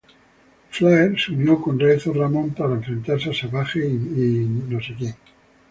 Flair se unió con Razor Ramón para enfrentarse a Savage y Mr.